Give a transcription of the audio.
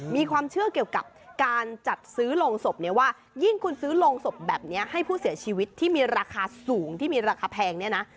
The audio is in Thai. มีความเชื่อเกี่ยวกับการจัดซื้อโรงศพเนี่ยว่ายิ่งคุณซื้อโรงศพแบบนี้ให้ผู้เสียชีวิตที่มีราคาสูงที่มีราคาแพงเนี่ยนะ